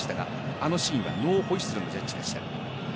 あのシーンはノーホイッスルのジャッジでした。